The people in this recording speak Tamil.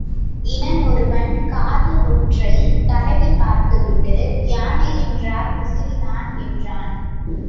இனனொருவன் காது ஒன்றைத் தடவிப் பார்த்துவிட்டு யானை என்றால் விசிறிதான் என்றான்.